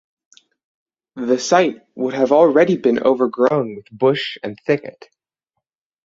The site would have already been overgrown with bush and thicket.